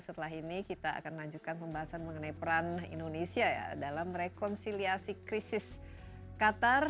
setelah ini kita akan lanjutkan pembahasan mengenai peran indonesia ya dalam rekonsiliasi krisis qatar